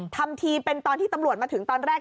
ทำทีเป็นตอนที่ตำรวจมาถึงตอนแรก